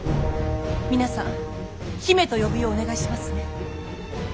皆さん姫と呼ぶようお願いしますね。